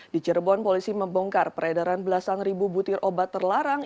di cirebon polisi membongkar peredaran belasan ribu butir obat terlarang